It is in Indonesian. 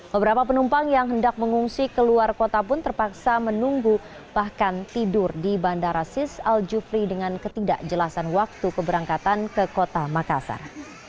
beberapa penumpang yang hendak mengungsi ke luar kota pun terpaksa menunggu bahkan tidur di bandara sis al jufri dengan ketidakjelasan waktu keberangkatan ke kota makassar